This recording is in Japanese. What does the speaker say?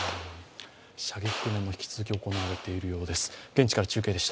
射撃訓練も引き続き行われているようです。